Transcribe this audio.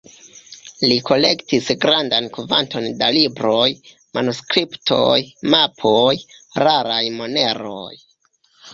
Li kolektis grandan kvanton da libroj, manuskriptoj, mapoj, raraj moneroj.